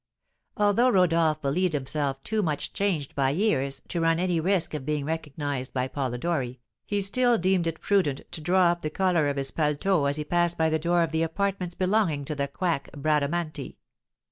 Although Rodolph believed himself too much changed by years to run any risk of being recognised by Polidori, he still deemed it prudent to draw up the collar of his paletot as he passed by the door of the apartments belonging to the quack, Bradamanti.